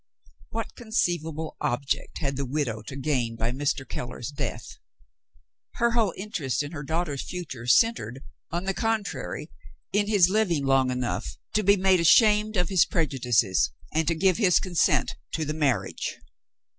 What conceivable object had the widow to gain by Mr. Keller's death? Her whole interest in her daughter's future centered, on the contrary, in his living long enough to be made ashamed of his prejudices, and to give his consent to the marriage.